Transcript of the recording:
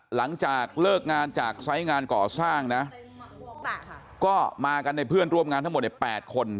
หลังจากเลิกงานจากไซส์งานก่อสร้างนะก็มากันในเพื่อนร่วมงานทั้งหมดเนี่ย๘คน